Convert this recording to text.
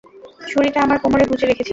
ছুরিটা আমার কোমরে গুঁজে রেখেছিলাম।